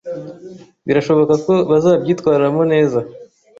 Birashoboka ko bazabyitwaramo neza.